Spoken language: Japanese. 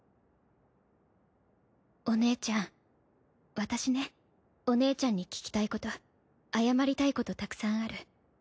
お姉ちゃん私ねお姉ちゃんに聞きたいこと謝りたいことたくさんある。